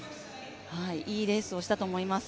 いいレースをしたと思います。